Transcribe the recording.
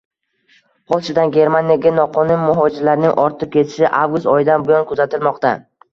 Polshadan Germaniyaga noqonuniy muhojirlarning ortib ketishi avgust oyidan buyon kuzatilmoqda